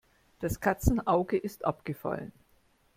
Das Katzenauge ist abgefallen.